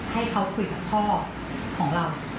ให้เขาคุยกับพ่อของเรา